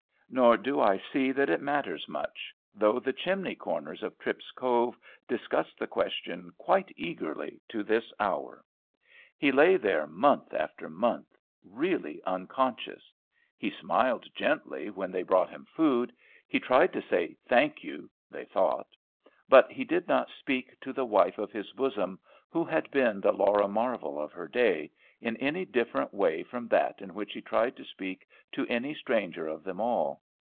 Nor do I see that it matters much, though the chimney corners of Tripp's Cove discuss the question quite eagerly to this hour. He lay there month after month, really unconscious. He smiled gently when they brought him food. He tried to say "Thank you," they thought, but he did not speak to the wife of his bosom, who had been the Laura Marvel of her day, in any different way from that in which he tried to speak to any stranger of them all.